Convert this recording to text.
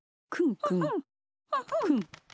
くん。